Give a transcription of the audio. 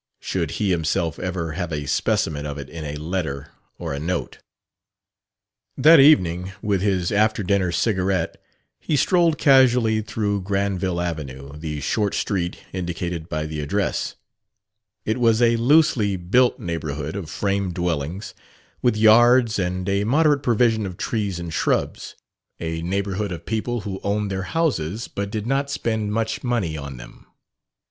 Should he himself ever have a specimen of it in a letter or a note? That evening, with his after dinner cigarette, he strolled casually through Granville Avenue, the short street indicated by the address. It was a loosely built neighborhood of frame dwellings, with yards and a moderate provision of trees and shrubs a neighborhood of people who owned their houses but did not spend much money on them.